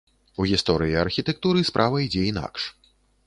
У гісторыі архітэктуры справа ідзе інакш.